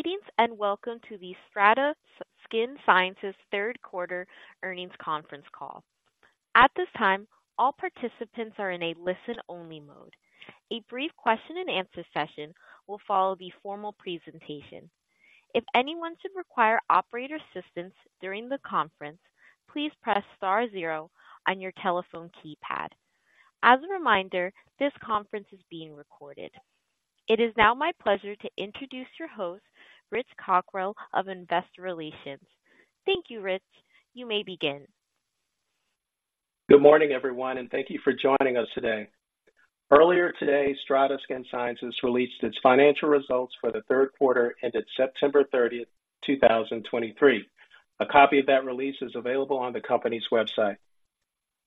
Greetings, and welcome to the STRATA Skin Sciences Third Quarter Earnings Conference Call. At this time, all participants are in a listen-only mode. A brief question and answer session will follow the formal presentation. If anyone should require operator assistance during the conference, please press star zero on your telephone keypad. As a reminder, this conference is being recorded. It is now my pleasure to introduce your host, Rich Cockrell, of Investor Relations. Thank you, Rich. You may begin. Good morning, everyone, and thank you for joining us today. Earlier today, STRATA Skin Sciences released its financial results for the third quarter, ended September 30, 2023. A copy of that release is available on the company's website.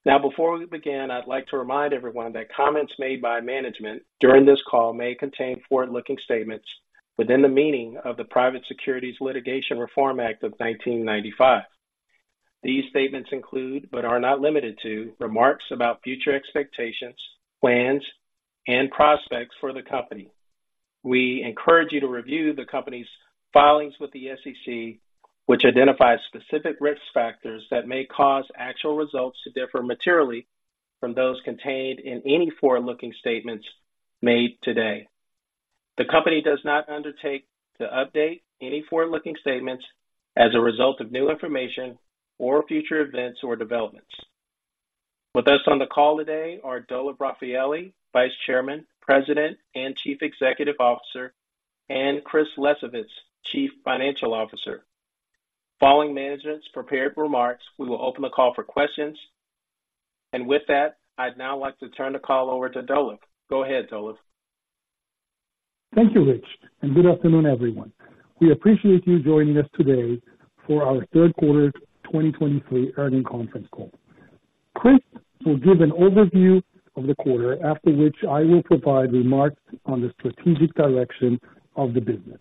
Now, before we begin, I'd like to remind everyone that comments made by management during this call may contain forward-looking statements within the meaning of the Private Securities Litigation Reform Act of 1995. These statements include, but are not limited to, remarks about future expectations, plans, and prospects for the Company. We encourage you to review the company's filings with the SEC, which identifies specific risk factors that may cause actual results to differ materially from those contained in any forward-looking statements made today. The company does not undertake to update any forward-looking statements as a result of new information or future events or developments. With us on the call today are Dolev Rafaeli, Vice Chairman, President, and Chief Executive Officer, and Chris Lesovitz, Chief Financial Officer. Following management's prepared remarks, we will open the call for questions. And with that, I'd now like to turn the call over to Dolev. Go ahead, Dolev. Thank you, Rich, and good afternoon, everyone. We appreciate you joining us today for our third quarter 2023 earnings conference call. Chris will give an overview of the quarter, after which I will provide remarks on the strategic direction of the business.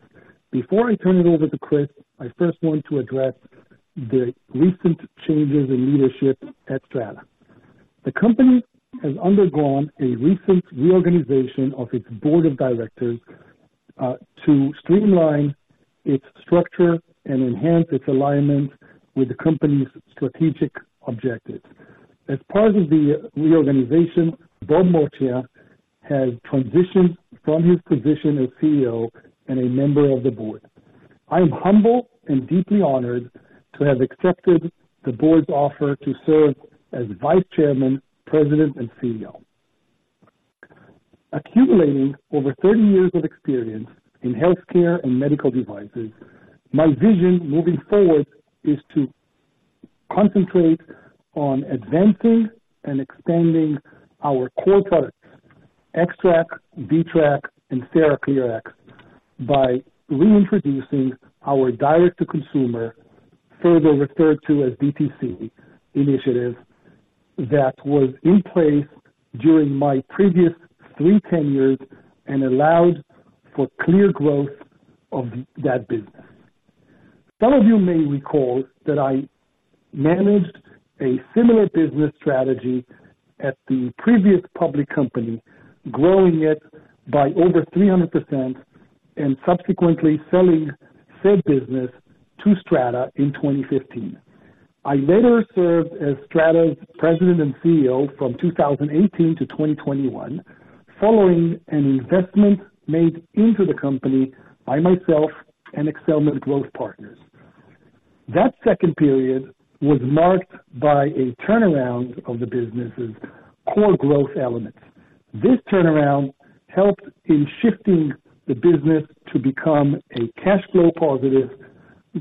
Before I turn it over to Chris, I first want to address the recent changes in leadership at STRATA. The company has undergone a recent reorganization of its board of directors, to streamline its structure and enhance its alignment with the company's strategic objectives. As part of the reorganization, Bob Moccia has transitioned from his position as CEO and a member of the board. I am humbled and deeply honored to have accepted the board's offer to serve as Vice Chairman, President, and CEO. Accumulating over 30 years of experience in healthcare and medical devices, my vision moving forward is to concentrate on advancing and expanding our core products, XTRAC, VTRAC, and TheraClear, by reintroducing our direct-to-consumer, further referred to as DTC initiative, that was in place during my previous three tenures and allowed for clear growth of that business. Some of you may recall that I managed a similar business strategy at the previous public company, growing it by over 300% and subsequently selling said business to STRATA in 2015. I later served as STRATA's President and CEO from 2018 to 2021, following an investment made into the company by myself and Accelmed Partners. That second period was marked by a turnaround of the business's core growth elements. This turnaround helped in shifting the business to become a cash flow positive,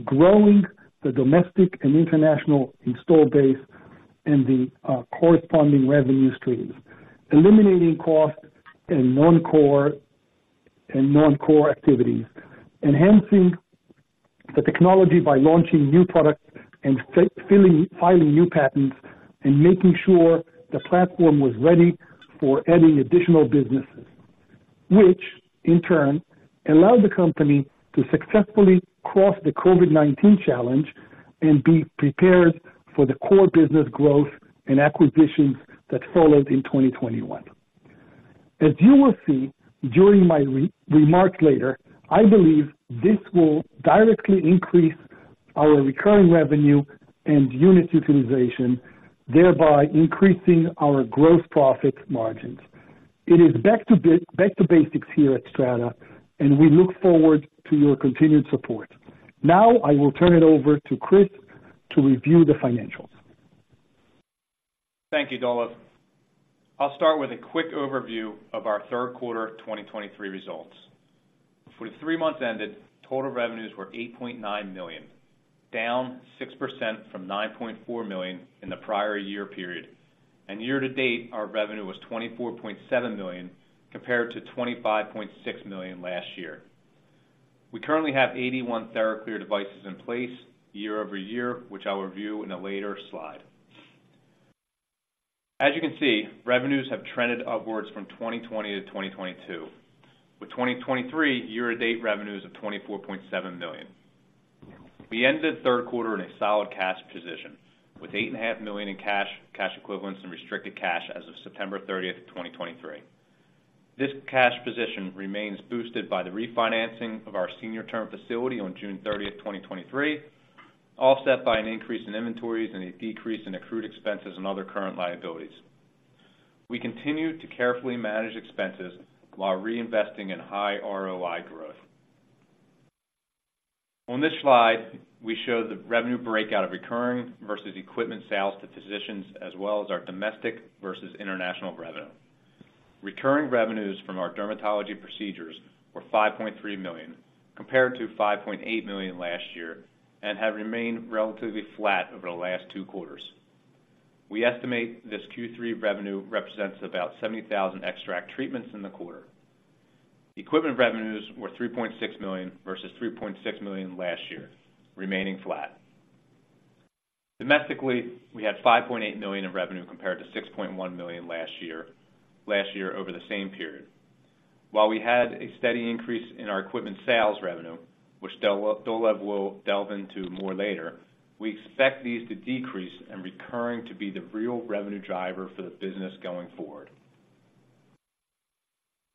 growing the domestic and international install base and the corresponding revenue streams, eliminating costs and non-core activities, enhancing the technology by launching new products and filing new patents and making sure the platform was ready for adding additional businesses, which in turn allowed the company to successfully cross the COVID-19 challenge and be prepared for the core business growth and acquisitions that followed in 2021. As you will see during my remarks later, I believe this will directly increase our recurring revenue and unit utilization, thereby increasing our gross profit margins. It is back to basics here at STRATA, and we look forward to your continued support. Now I will turn it over to Chris to review the financials. Thank you, Dolev. I'll start with a quick overview of our third quarter 2023 results. For the three months ended, total revenues were $8.9 million, down 6% from $9.4 million in the prior year period. Year to date, our revenue was $24.7 million, compared to $25.6 million last year. We currently have 81 TheraClear devices in place year-over-year, which I'll review in a later slide. As you can see, revenues have trended upwards from 2020 to 2022, with 2023 year-to-date revenues of $24.7 million. We ended third quarter in a solid cash position, with $8.5 million in cash, cash equivalents, and restricted cash as of September 30th, 2023. This cash position remains boosted by the refinancing of our senior term facility on June 30th, 2023, offset by an increase in inventories and a decrease in accrued expenses and other current liabilities. We continue to carefully manage expenses while reinvesting in high ROI growth. On this slide, we show the revenue breakout of recurring versus equipment sales to physicians, as well as our domestic versus international revenue. Recurring revenues from our dermatology procedures were $5.3 million, compared to $5.8 million last year, and have remained relatively flat over the last two quarters. We estimate this Q3 revenue represents about 70,000 XTRAC treatments in the quarter. Equipment revenues were $3.6 million versus $3.6 million last year, remaining flat. Domestically, we had $5.8 million in revenue, compared to $6.1 million last year, last year over the same period. While we had a steady increase in our equipment sales revenue, which Dolev will delve into more later, we expect these to decrease and recurring to be the real revenue driver for the business going forward.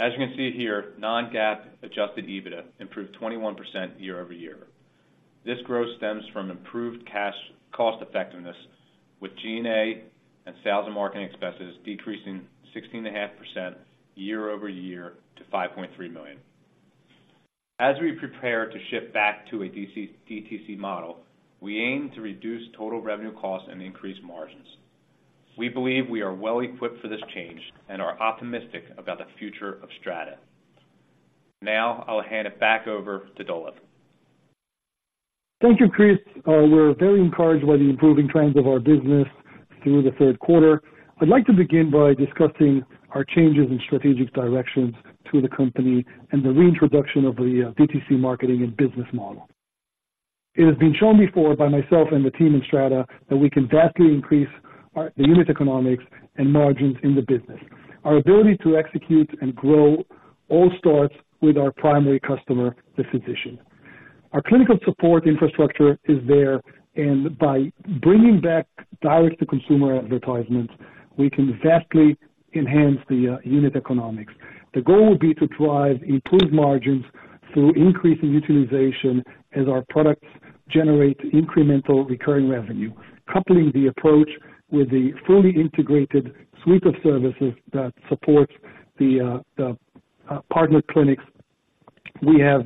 As you can see here, non-GAAP adjusted EBITDA improved 21% year-over-year. This growth stems from improved cash cost effectiveness, with G&A and sales and marketing expenses decreasing 16.5% year-over-year to $5.3 million. As we prepare to shift back to a DTC model, we aim to reduce total revenue costs and increase margins. We believe we are well equipped for this change and are optimistic about the future of STRATA. Now I'll hand it back over to Dolev. Thank you, Chris. We're very encouraged by the improving trends of our business through the third quarter. I'd like to begin by discussing our changes in strategic directions to the company and the reintroduction of the DTC marketing and business model. It has been shown before by myself and the team in STRATA that we can vastly increase our unit economics and margins in the business. Our ability to execute and grow all starts with our primary customer, the physician. Our clinical support infrastructure is there, and by bringing back direct-to-consumer advertisements, we can vastly enhance the unit economics. The goal will be to drive improved margins through increasing utilization as our products generate incremental recurring revenue. Coupling the approach with a fully integrated suite of services that supports the partner clinics, we have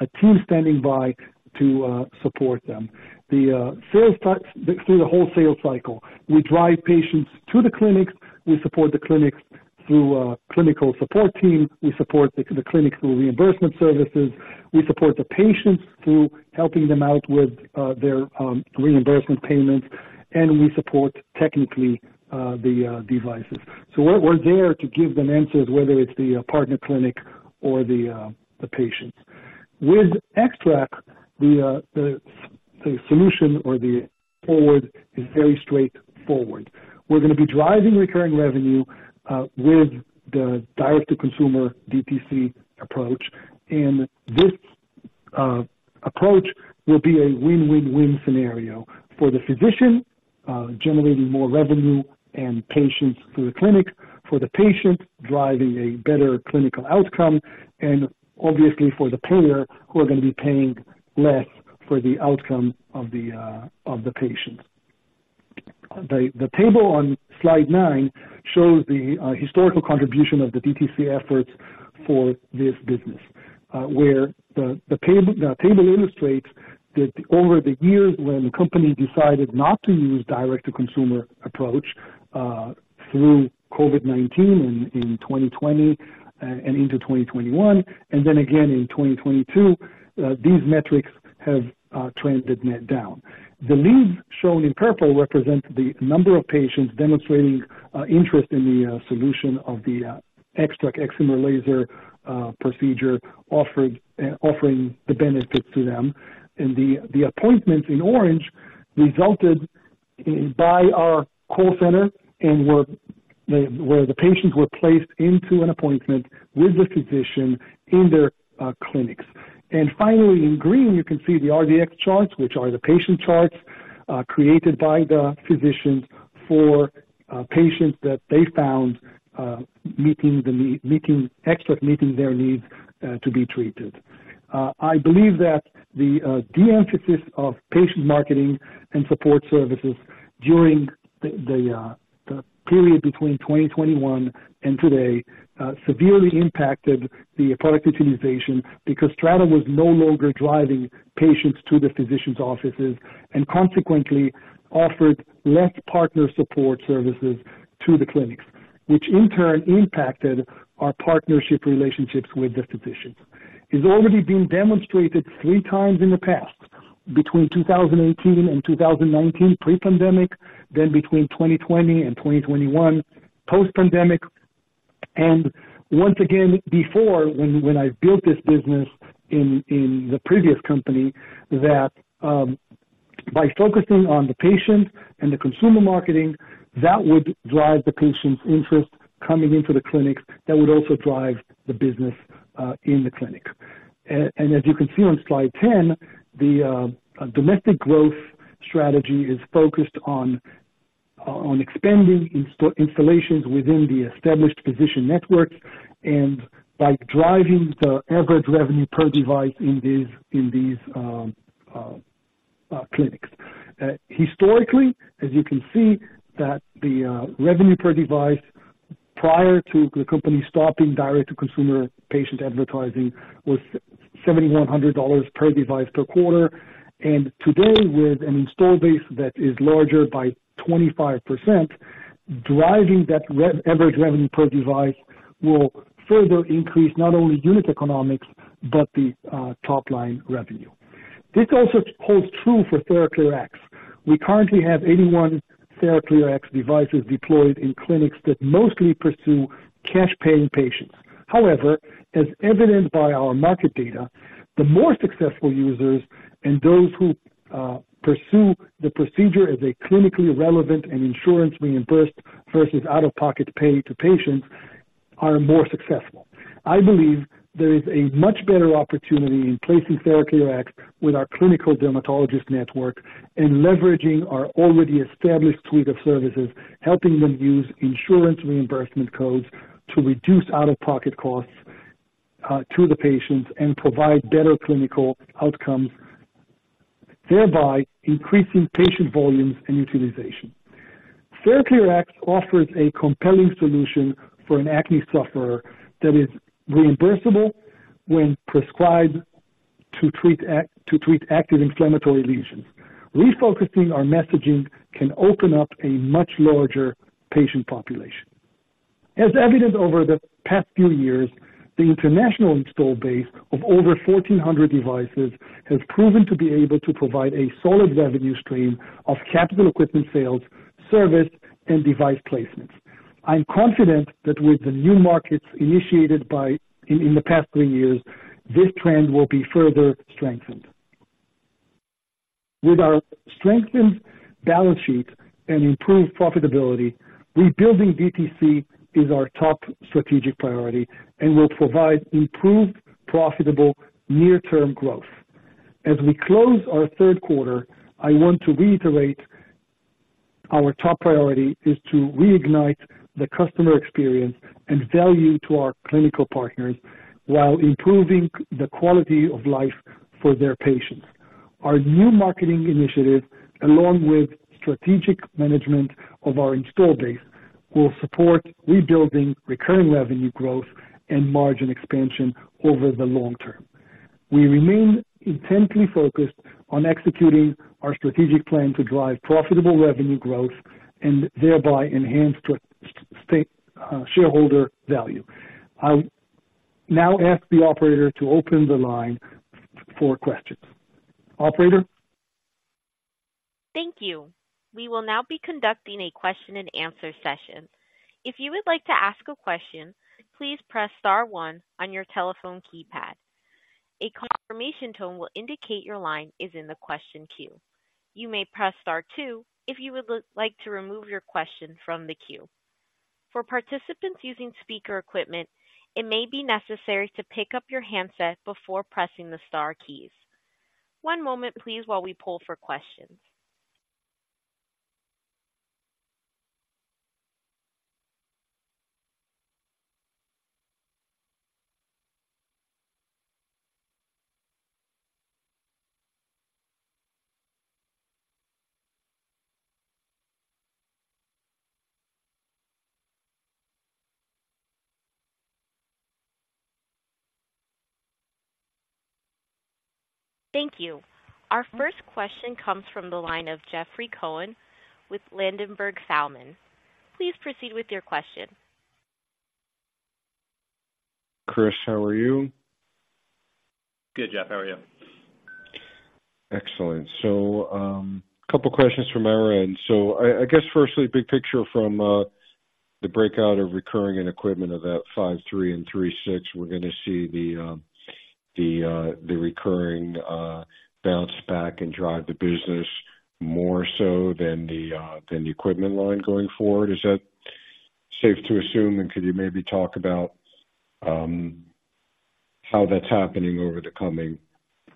a team standing by to support them. The sales through the whole sales cycle. We drive patients to the clinics. We support the clinics through clinical support team. We support the clinics through reimbursement services. We support the patients through helping them out with their reimbursement payments, and we support technically the devices. So we're there to give them answers, whether it's the partner clinic or the patients. With XTRAC, the solution or the forward is very straightforward. We're gonna be driving recurring revenue with the direct-to-consumer, DTC approach. And this approach will be a win-win-win scenario for the physician, generating more revenue and patients through the clinics. For the patient, driving a better clinical outcome. And obviously for the payer, who are gonna be paying less for the outcome of the patient. The table on slide 9 shows the historical contribution of the DTC efforts for this business, where the table illustrates that over the years when the company decided not to use direct-to-consumer approach, through COVID-19 in 2020, and into 2021, and then again in 2022, these metrics have trended net down. The leads shown in purple represent the number of patients demonstrating interest in the solution of the XTRAC excimer laser procedure, offering the benefits to them. And the appointments in orange resulted in by our call center and were where the patients were placed into an appointment with the physician in their clinics. And finally, in green, you can see the Rx charts, which are the patient charts created by the physicians for patients that they found meeting the need, meeting... XTRAC meeting their needs to be treated. I believe that the de-emphasis of patient marketing and support services during the period between 2021 and today severely impacted the product utilization because STRATA was no longer driving patients to the physicians' offices, and consequently offered less partner support services to the clinics, which in turn impacted our partnership relationships with the physicians. It's already been demonstrated three times in the past, between 2018 and 2019, pre-pandemic, then between 2020 and 2021, post-pandemic, and once again before when I built this business in the previous company, that... By focusing on the patient and the consumer marketing, that would drive the patient's interest coming into the clinics. That would also drive the business in the clinic. And as you can see on slide 10, the domestic growth strategy is focused on expanding installations within the established physician networks and by driving the average revenue per device in these clinics. Historically, as you can see that the revenue per device prior to the company stopping direct-to-consumer patient advertising was $7,100 per device per quarter. And today, with an install base that is larger by 25%, driving that average revenue per device will further increase not only unit economics, but the top line revenue. This also holds true for TheraClearX. We currently have 81 TheraClearX devices deployed in clinics that mostly pursue cash-paying patients. However, as evidenced by our market data, the more successful users and those who pursue the procedure as a clinically relevant and insurance reimbursed versus out-of-pocket pay by patients are more successful. I believe there is a much better opportunity in placing TheraClearX with our clinical dermatologist network and leveraging our already established suite of services, helping them use insurance reimbursement codes to reduce out-of-pocket costs to the patients and provide better clinical outcomes, thereby increasing patient volumes and utilization. TheraClearX offers a compelling solution for an acne sufferer that is reimbursable when prescribed to treat active inflammatory lesions. Refocusing our messaging can open up a much larger patient population. As evidenced over the past few years, the international install base of over 1,400 devices has proven to be able to provide a solid revenue stream of capital equipment sales, service, and device placements. I'm confident that with the new markets initiated in the past three years, this trend will be further strengthened. With our strengthened balance sheet and improved profitability, rebuilding DTC is our top strategic priority and will provide improved, profitable, near-term growth. As we close our third quarter, I want to reiterate our top priority is to reignite the customer experience and value to our clinical partners while improving the quality of life for their patients. Our new marketing initiatives, along with strategic management of our install base, will support rebuilding recurring revenue growth and margin expansion over the long term. We remain intently focused on executing our strategic plan to drive profitable revenue growth and thereby enhance shareholder value. I now ask the operator to open the line for questions. Operator? Thank you. We will now be conducting a question-and-answer session. If you would like to ask a question, please press star one on your telephone keypad. A confirmation tone will indicate your line is in the question queue. You may press star two if you would like to remove your question from the queue. For participants using speaker equipment, it may be necessary to pick up your handset before pressing the star keys. One moment please, while we poll for questions. Thank you. Our first question comes from the line of Jeffrey Cohen with Ladenburg Thalmann. Please proceed with your question. Chris, how are you? Good, Jeff. How are you? Excellent. So, a couple questions from our end. So I, I guess firstly, big picture from, the breakout of recurring and equipment of that $5.3 and $3.6, we're gonna see the, the recurring, bounce back and drive the business more so than the, than the equipment line going forward. Is that safe to assume? And could you maybe talk about, how that's happening over the coming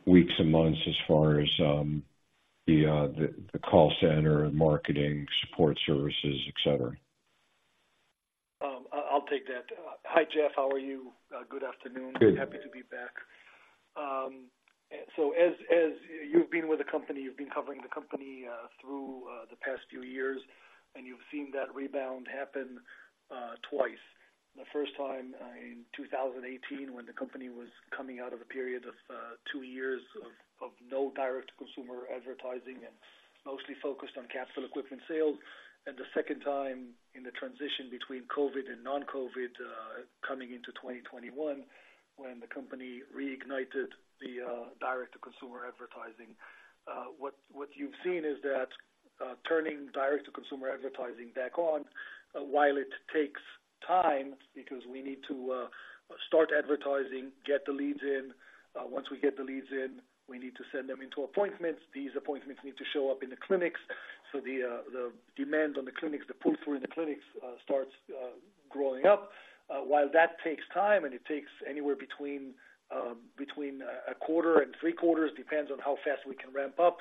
weeks and months as far as, the, the call center, marketing, support services, et cetera? I'll take that. Hi, Jeff, how are you? Good afternoon. Good. Happy to be back. As you've been with the company, you've been covering the company through the past few years, and you've seen that rebound happen twice. The first time in 2018, when the company was coming out of a period of two years of no direct-to-consumer advertising and mostly focused on capital equipment sales. And the second time in the transition between COVID and non-COVID coming into 2021, when the company reignited the direct-to-consumer advertising. What you've seen is that-... turning direct to consumer advertising back on, while it takes time, because we need to start advertising, get the leads in. Once we get the leads in, we need to send them into appointments. These appointments need to show up in the clinics, so the demand on the clinics, the pull through in the clinics, starts growing up. While that takes time, and it takes anywhere between a quarter and three quarters, depends on how fast we can ramp up.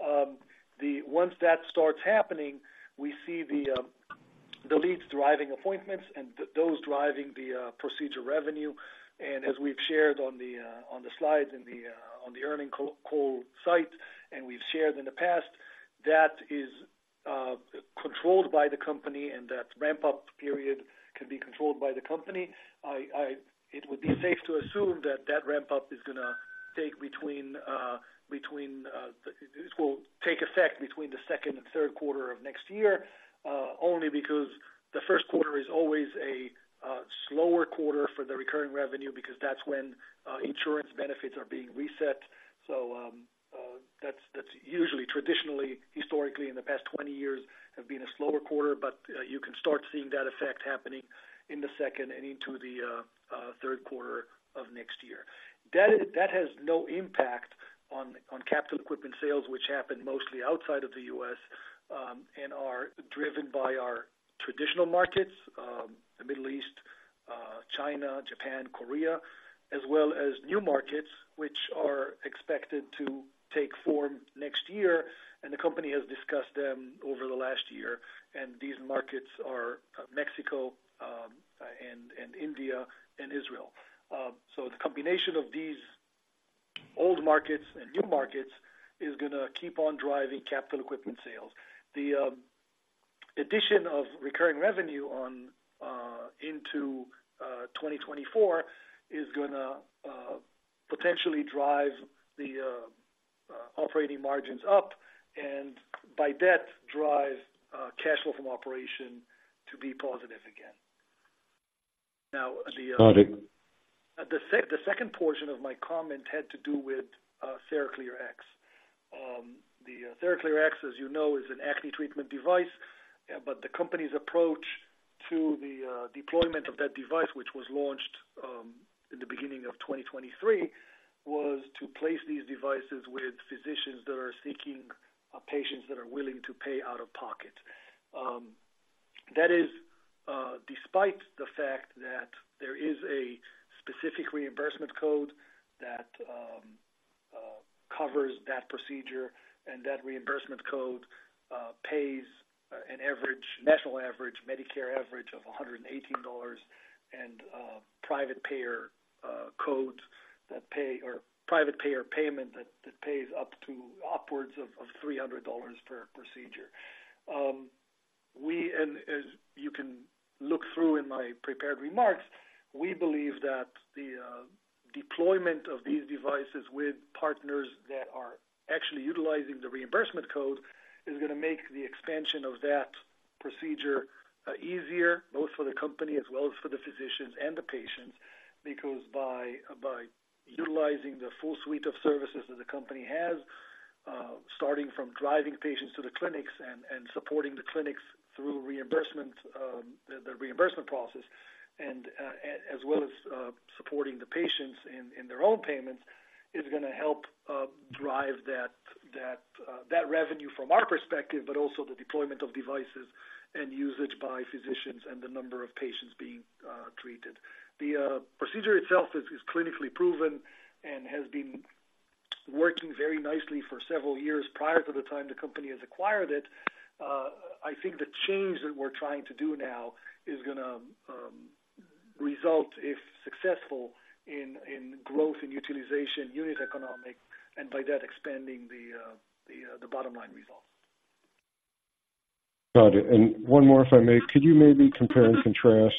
Once that starts happening, we see the leads driving appointments and those driving the procedure revenue. And as we've shared on the slides in the on the earnings call site, and we've shared in the past, that is controlled by the company, and that ramp-up period can be controlled by the company. It would be safe to assume that that ramp up is going to take between this will take effect between the second and third quarter of next year, only because the first quarter is always a slower quarter for the recurring revenue, because that's when insurance benefits are being reset. So, that's usually, traditionally, historically, in the past 20 years, have been a slower quarter, but you can start seeing that effect happening in the second and into the third quarter of next year. That has no impact on capital equipment sales, which happen mostly outside of the U.S., and are driven by our traditional markets, the Middle East, China, Japan, Korea, as well as new markets, which are expected to take form next year, and the company has discussed them over the last year, and these markets are Mexico, and India and Israel. So the combination of these old markets and new markets is going to keep on driving capital equipment sales. The addition of recurring revenue into 2024 is going to potentially drive the operating margins up, and by that, drive cash flow from operation to be positive again. Now, the Got it. The second portion of my comment had to do with TheraClearX. The TheraClearX, as you know, is an acne treatment device, but the company's approach to the deployment of that device, which was launched in the beginning of 2023, was to place these devices with physicians that are seeking patients that are willing to pay out of pocket. That is, despite the fact that there is a specific reimbursement code that covers that procedure, and that reimbursement code pays an average, national average, Medicare average of $118, and private payer codes that pay, or private payer payment that pays up to upwards of $300 per procedure. And as you can look through in my prepared remarks, we believe that the deployment of these devices with partners that are actually utilizing the reimbursement code is going to make the expansion of that procedure easier, both for the company as well as for the physicians and the patients, because by utilizing the full suite of services that the company has, starting from driving patients to the clinics and supporting the clinics through reimbursement, the reimbursement process, and as well as supporting the patients in their own payments, is going to help drive that revenue from our perspective, but also the deployment of devices and usage by physicians and the number of patients being treated. The procedure itself is clinically proven and has been working very nicely for several years prior to the time the company has acquired it. I think the change that we're trying to do now is going to result, if successful, in growth in utilization, unit economic, and by that, expanding the bottom line results. Got it. And one more, if I may: Could you maybe compare and contrast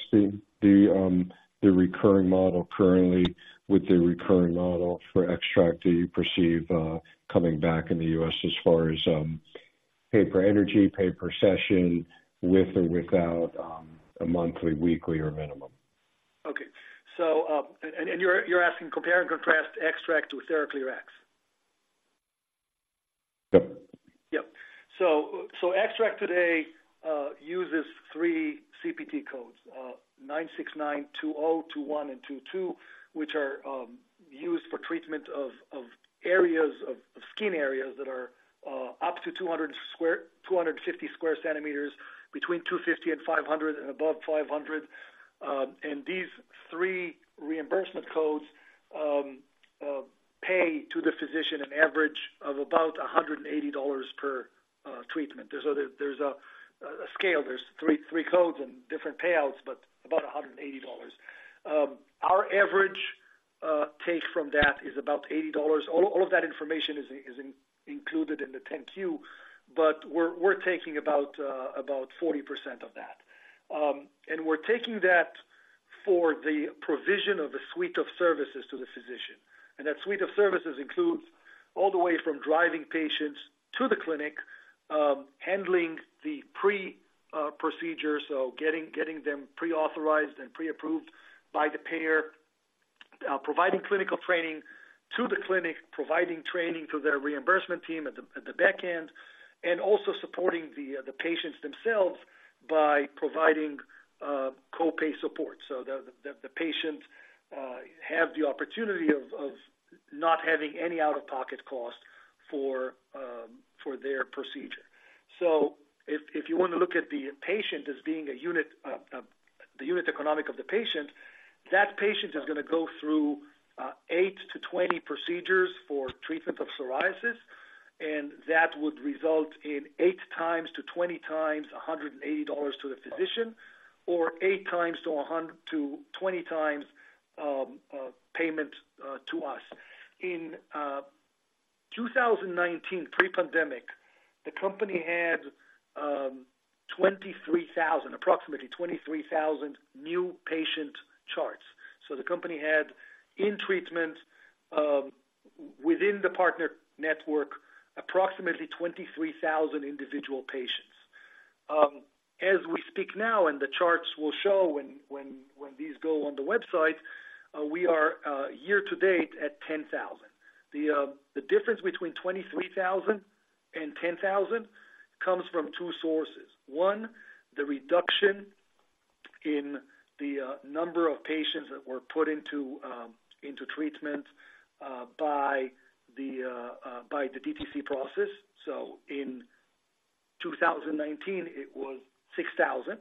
the recurring model currently with the recurring model for XTRAC that you perceive coming back in the US as far as pay per energy, pay per session, with or without a monthly, weekly, or minimum? Okay. So, you're asking compare and contrast XTRAC with TheraClearX? Yep. Yep. So, XTRAC today uses three CPT codes, 96920, 96921, and 96922, which are used for treatment of areas of skin areas that are up to 250 square centimeters, between 250 and 500, and above 500. And these three reimbursement codes pay to the physician an average of about $180 per treatment. There's a scale. There are three codes and different payouts, but about $180. Our average take from that is about $80. All of that information is included in the 10-Q, but we're taking about 40% of that. We're taking that for the provision of a suite of services to the physician. That suite of services includes all the way from driving patients to the clinic, handling the pre-procedure, so getting them pre-authorized and pre-approved by the payer, providing clinical training to the clinic, providing training to their reimbursement team at the back end, and also supporting the patients themselves by providing co-pay support. The patients have the opportunity of not having any out-of-pocket costs for their procedure. So if you want to look at the patient as being a unit, the unit economic of the patient, that patient is going to go through 8-20 procedures for treatment of psoriasis, and that would result in 8-20x $180 to the physician, or 8-20x payment to us. In 2019, pre-pandemic, the company had approximately 23,000 new patient charts. So the company had in treatment within the partner network approximately 23,000 individual patients. As we speak now, and the charts will show when these go on the website, we are year to date at 10,000. The difference between 23,000 and 10,000 comes from two sources. One, the reduction in the number of patients that were put into treatment by the DTC process. So in 2019, it was 6,000,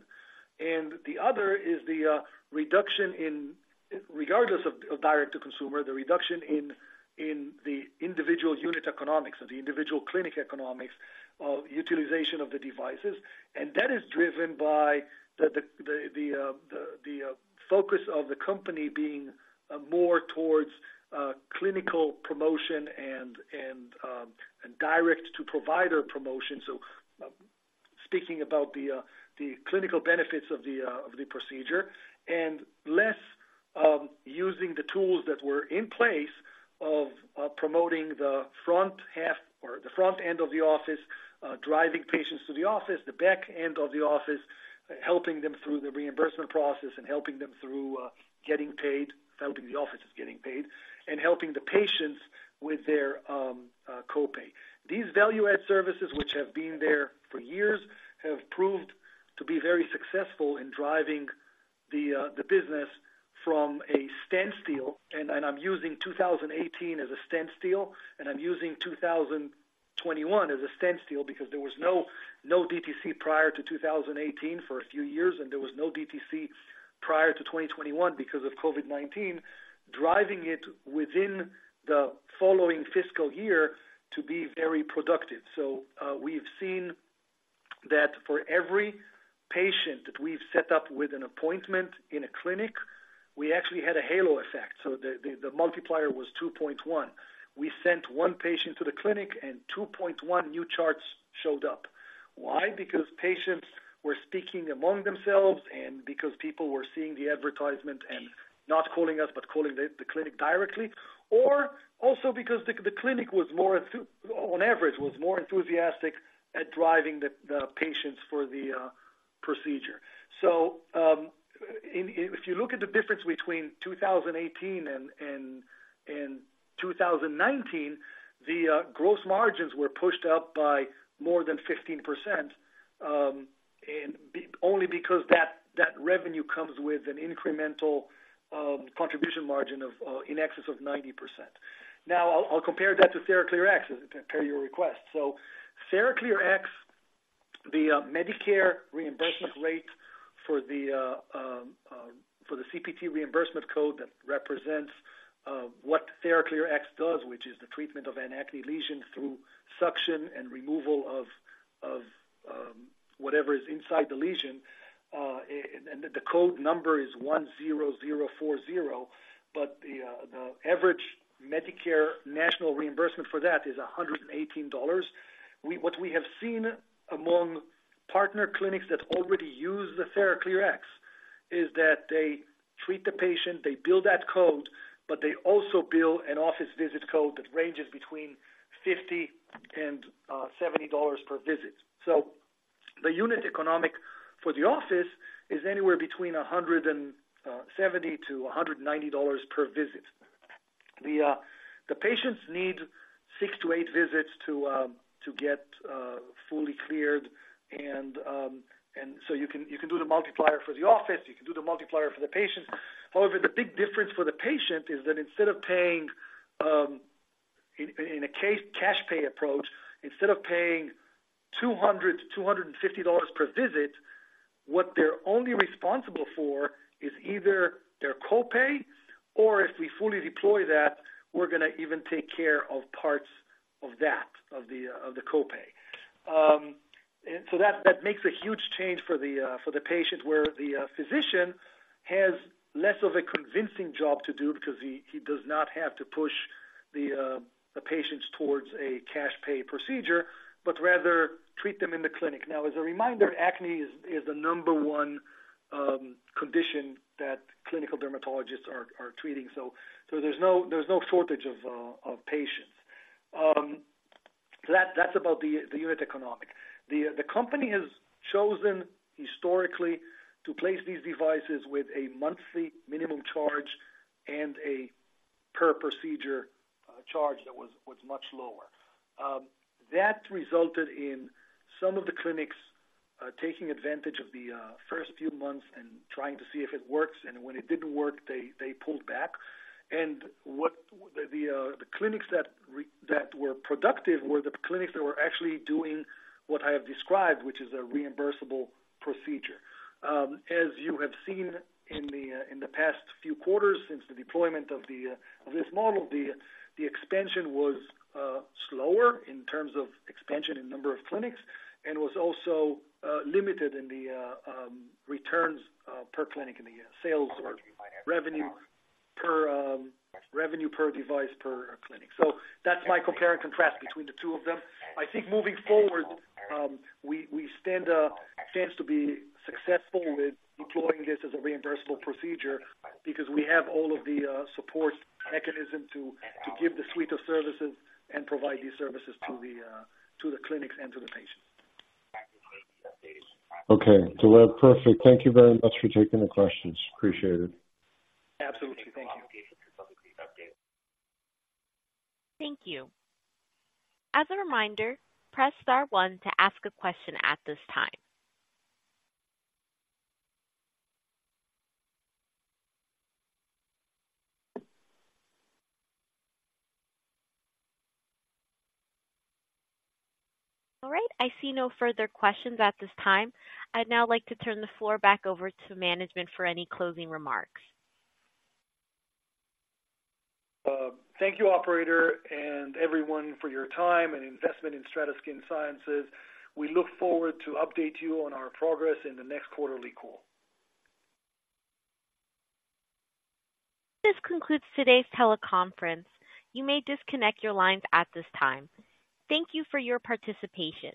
and the other is the reduction in, regardless of direct to consumer, the reduction in the individual unit economics or the individual clinic economics of utilization of the devices. And that is driven by the focus of the company being more towards clinical promotion and direct to provider promotion. So, speaking about the clinical benefits of the procedure, and less using the tools that were in place of promoting the front half or the front end of the office, driving patients to the office, the back end of the office, helping them through the reimbursement process and helping them through getting paid, helping the offices getting paid, and helping the patients with their co-pay. These value-add services, which have been there for years, have proved to be very successful in driving the business from a standstill, and I'm using 2018 as a standstill, and I'm using 2021 as a standstill because there was no DTC prior to 2018 for a few years, and there was no DTC prior to 2021 because of COVID-19, driving it within the following fiscal year to be very productive. So, we've seen that for every patient that we've set up with an appointment in a clinic, we actually had a halo effect, so the multiplier was 2.1. We sent one patient to the clinic, and 2.1 new charts showed up. Why? Because patients were speaking among themselves and because people were seeing the advertisement and not calling us, but calling the clinic directly, or also because the clinic was more enthusiastic on average at driving the patients for the procedure. So, if you look at the difference between 2018 and 2019, the gross margins were pushed up by more than 15%, and only because that revenue comes with an incremental contribution margin of in excess of 90%. Now, I'll compare that to TheraClearX, per your request. So TheraClearX, the Medicare reimbursement rate for the CPT reimbursement code that represents what TheraClearX does, which is the treatment of an acne lesion through suction and removal of whatever is inside the lesion, and the code number is 10040. But the average Medicare national reimbursement for that is $118. What we have seen among partner clinics that already use the TheraClearX is that they treat the patient, they bill that code, but they also bill an office visit code that ranges between $50 and $70 per visit. So the unit economic for the office is anywhere between $170 and $190 per visit. The patients need 6-8 visits to get fully cleared, and so you can do the multiplier for the office, you can do the multiplier for the patients. However, the big difference for the patient is that instead of paying in a cash pay approach, instead of paying $200-$250 per visit, what they're only responsible for is either their co-pay or if we fully deploy that, we're going to even take care of parts of that, of the co-pay. And so that makes a huge change for the patient, where the physician has less of a convincing job to do because he does not have to push the patients towards a cash pay procedure, but rather treat them in the clinic. Now, as a reminder, acne is the number one condition that clinical dermatologists are treating, so there's no shortage of patients. So that that's about the unit economics. The company has chosen historically to place these devices with a monthly minimum charge and a per procedure charge that was much lower. That resulted in some of the clinics taking advantage of the first few months and trying to see if it works, and when it didn't work, they pulled back. What the clinics that were productive were the clinics that were actually doing what I have described, which is a reimbursable procedure. As you have seen in the past few quarters since the deployment of this model, the expansion was slower in terms of expansion in number of clinics and was also limited in the returns per clinic in the sales or revenue per revenue per device per clinic. So that's my compare and contrast between the two of them. I think moving forward, we stand a chance to be successful with deploying this as a reimbursable procedure because we have all of the support mechanism to give the suite of services and provide these services to the clinics and to the patient. Okay, so well, perfect. Thank you very much for taking the questions. Appreciate it. Absolutely. Thank you. Thank you. As a reminder, press star one to ask a question at this time. All right, I see no further questions at this time. I'd now like to turn the floor back over to management for any closing remarks. Thank you, operator, and everyone for your time and investment in STRATA Skin Sciences. We look forward to update you on our progress in the next quarterly call. This concludes today's teleconference. You may disconnect your lines at this time. Thank you for your participation.